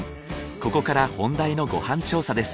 ここから本題のご飯調査です。